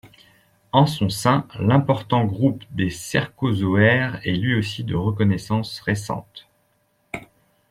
En son sein, l'important groupe des Cercozoaires est lui aussi de reconnaissance récente.